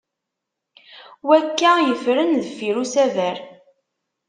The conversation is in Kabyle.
Wakka yeffren deffir usaber?